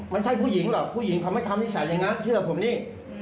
มันใช่ผู้หญิงหรอกผู้หญิงเขาไม่ทำนิสัยอย่างนั้นเชื่อผมนี่